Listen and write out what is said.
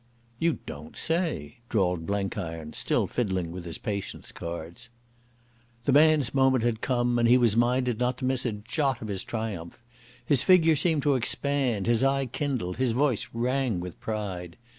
"You don't say," drawled Blenkiron, still fiddling with his Patience cards. The man's moment had come, and he was minded not to miss a jot of his triumph. His figure seemed to expand, his eye kindled, his voice rang with pride.